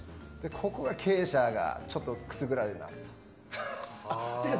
ここが経営者がちょっとくすぐられるなと。